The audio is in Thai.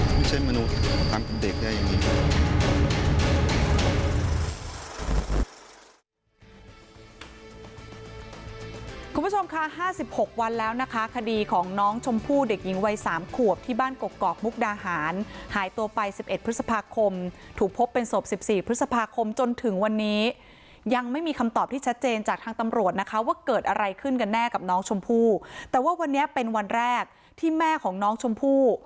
คุณผู้ชมค่ะ๕๖วันแล้วนะคะคดีของน้องชมพู่เด็กหญิงวัยสามขวบที่บ้านกกอกมุกดาหารหายตัวไป๑๑พฤษภาคมถูกพบเป็นศพ๑๔พฤษภาคมจนถึงวันนี้ยังไม่มีคำตอบที่ชัดเจนจากทางตำรวจนะคะว่าเกิดอะไรขึ้นกันแน่กับน้องชมพู่แต่ว่าวันนี้เป็นวันแรกที่แม่ของน้องชมพู่